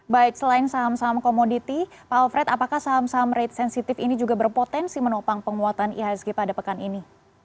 baik selain saham saham komoditi pak alfred apakah saham saham rate sensitif ini juga berpotensi menopang penguatan ihsg pada pekan ini